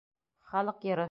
Халыҡ йыры